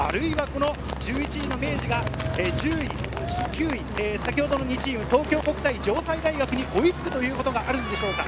１１位の明治が１０位、９位、先ほどの２チーム、東京国際、城西大学に追いつくということがあるんでしょうか。